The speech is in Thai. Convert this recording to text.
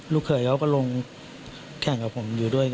เคยเขาก็ลงแข่งกับผมอยู่ด้วย